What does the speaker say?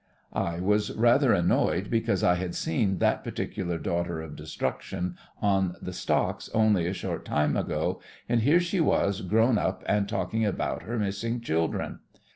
I was rather annoyed, because I had seen that particular daughter of destruction on the stocks only a short time ago, and here she was grown up 70 THE FRINGES OF THE FLEET and talking about her missing chil dren!